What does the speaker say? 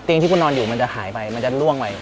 ที่คุณนอนอยู่มันจะหายไปมันจะล่วงไป